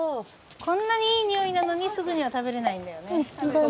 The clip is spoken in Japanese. こんなにいい匂いなのにすぐには食べれないんだよね。